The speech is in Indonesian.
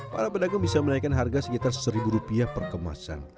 para pedagang bisa menaikkan harga sekitar seribu rupiah per kemasan